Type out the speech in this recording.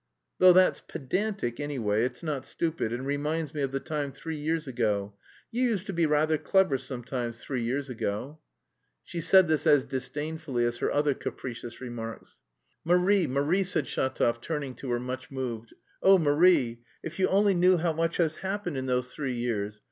"Though that's pedantic, anyway, it's not stupid, and reminds me of the time three years ago; you used to be rather clever sometimes three years ago." She said this as disdainfully as her other capricious remarks. "Marie, Marie," said Shatov, turning to her, much moved, "oh, Marie! If you only knew how much has happened in those three years!